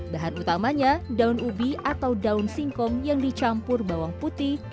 bahan utamanya daun ubi atau daun singkom yang dicampur bawang putih